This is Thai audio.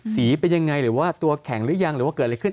เป็นยังไงหรือว่าตัวแข็งหรือยังหรือว่าเกิดอะไรขึ้น